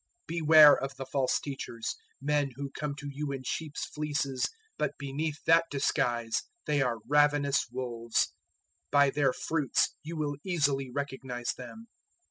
007:015 "Beware of the false teachers men who come to you in sheep's fleeces, but beneath that disguise they are ravenous wolves. 007:016 By their fruits you will easily recognize them.